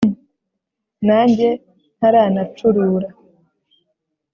nanjye ntaranacurura